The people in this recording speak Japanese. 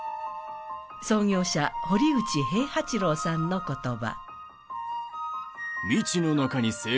創業者・堀内平八郎さんの言葉。